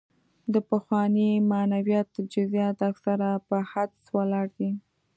د پخواني معنویت جزیات اکثره په حدس ولاړ دي.